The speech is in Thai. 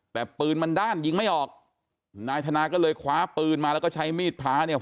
แต่ปืนมันด้านยิงไม่ออกนายธนาก็เลยคว้าปืนมาแล้วก็ใช้มีดพระเนี่ย